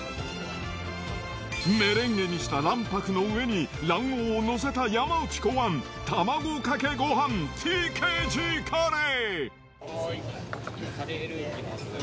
メレンゲにした卵白の上に卵黄を載せた山内考案、卵かけごはん、ＴＫＧカレー。